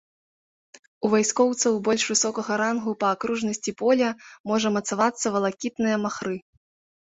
У вайскоўцаў больш высокага рангу па акружнасці поля можа мацавацца валакітныя махры.